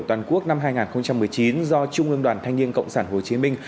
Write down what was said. toàn quốc năm hai nghìn một mươi chín do trung ương đoàn thanh niên cộng sản hồ chí minh